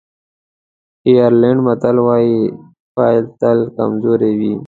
آیرلېنډی متل وایي پيل تل کمزوری وي.